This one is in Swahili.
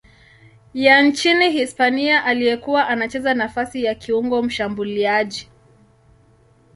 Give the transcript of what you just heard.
ya nchini Hispania aliyekuwa anacheza nafasi ya kiungo mshambuliaji.